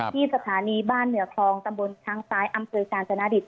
ที่สถานีบ้านเหนือกลองตะมนต์ทางซ้ายอำเภอการย์จรณาฏิบ